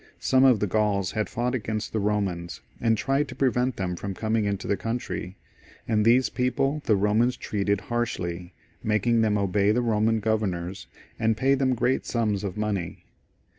Some of the Gauls had fought against the Romans, and tried to prevent them from coining into the country, and these people the Romans treated harshly, making them obey the Roman governors and pay them great sums of money.